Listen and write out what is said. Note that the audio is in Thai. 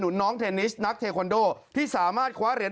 เยี่ยมเลย